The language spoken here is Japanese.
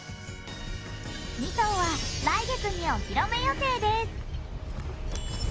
２頭は来月にお披露目予定です。